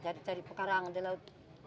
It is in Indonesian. cari cari pekarang di laut